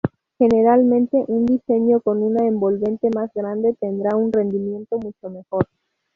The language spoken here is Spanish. Generalmente, un diseño con una envolvente más grande tendrá un rendimiento mucho mejor.